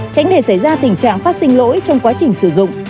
tránh để xảy ra tình trạng phát sinh lỗi trong quá trình sử dụng